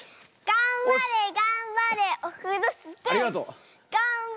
がんばれがんばれオフロスキー！